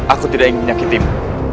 aku tidak ingin menyakitimu